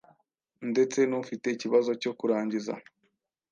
ndetse n’ufite ikibazo cyo kurangiza